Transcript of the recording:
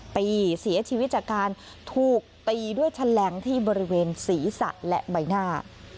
ปีเสียชีวิตจากการถูกตีด้วยแฉลงที่บริเวณศีรษะและใบหน้า